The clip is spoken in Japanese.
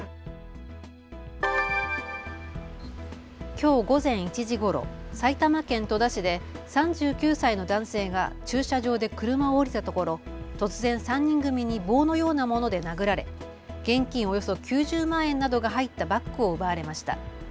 きょう午前１時ごろ、埼玉県戸田市で３９歳の男性が駐車場で車を降りたところ突然、３人組に棒のようなもので殴られ現金およそ９０万円などが入ったバッグを奪われました。